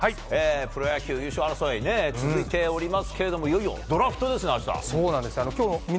プロ野球優勝争い続いておりますけれどもいよいよドラフトですが。